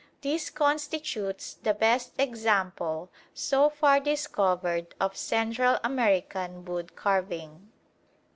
This constitutes the best example so far discovered of Central American wood carving.